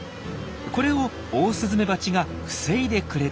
これをオオスズメバチが防いでくれているんです。